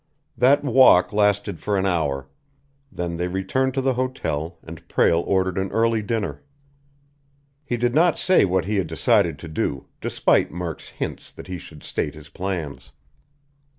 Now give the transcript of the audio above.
That walk lasted for an hour. Then they returned to the hotel and Prale ordered an early dinner. He did not say what he had decided to do, despite Murk's hints that he should state his plans.